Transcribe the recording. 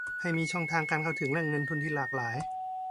ให้มีช่องทางการเข้าถึงแหล่งเงินทุนที่หลากหลาย